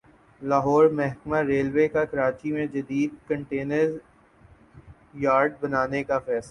لاہور محکمہ ریلوے کا کراچی میں جدید کنٹینر یارڈ بنانے کا فیصلہ